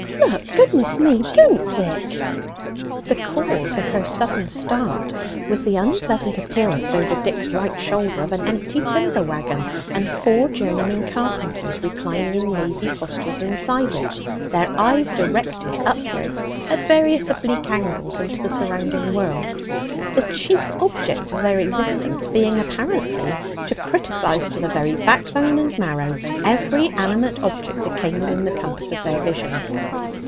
Look; goodness me, don't, Dick!" The cause of her sudden start was the unpleasant appearance over Dick's right shoulder of an empty timber wagon and four journeymen carpenters reclining in lazy postures inside it, their eyes directed upwards at various oblique angles into the surrounding world, the chief object of their existence being apparently to criticize to the very backbone and marrow every animate object that came within the compass of their vision.